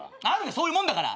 そういうもんだから。